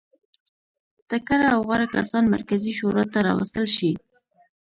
تکړه او غوره کسان مرکزي شورا ته راوستل شي.